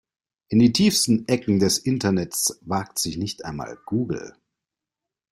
In die tiefsten Ecken des Internets wagt sich nicht einmal Google.